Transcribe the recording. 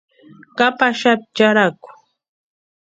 Kapaxapti charhaku.